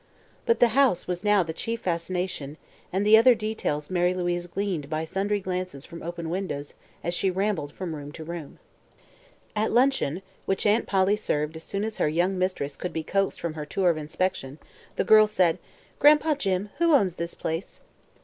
But the house was now the chief fascination and the other details Mary Louise gleaned by sundry glances from open windows as she rambled from room to room. At luncheon, which Aunt Polly served as soon as her young mistress could be coaxed from her tour of inspection, the girl said: "Gran'pa Jim, who owns this place?"